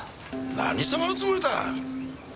何様のつもりだ！